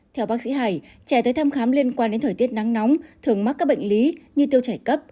theo bác sĩ hải trẻ tới thăm khám liên quan đến thời tiết nắng nóng thường mắc các bệnh lý như tiêu chảy cấp